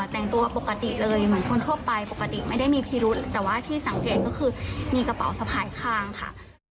แต่งตัวปกติเลยเหมือนคนทั่วไปปกติไม่ได้มีพิรุธแต่ว่าที่สังเกตก็คือมีกระเป๋าสะพายข้างค่ะ